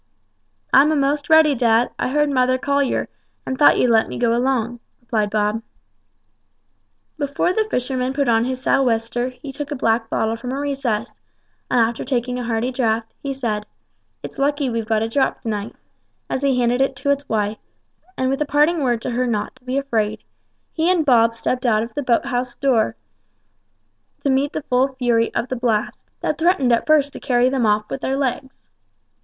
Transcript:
"I'm a'most ready, dad; I heard mother call yer, and thought you'd let me go along," replied Bob. Before the fisherman put on his sou' wester he took a black bottle from a recess, and after taking a hearty draught, he said, "It's lucky we've got a drop to night," as he handed it to his wife; and with a parting word to her not to be afraid, he and Bob stepped out of the boat house door, to meet the full fury of the blast, that threatened at first to carry them off their legs.